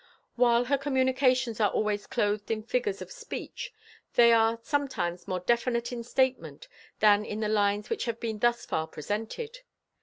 While her communications are always clothed in figures of speech, they are sometimes more definite in statement than in the lines which have been thus far presented.